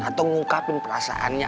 atau ngungkapin perasaannya